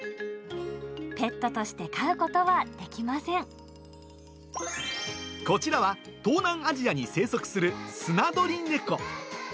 ペットとして飼うことはできませこちらは東南アジアに生息するスナドリネコ。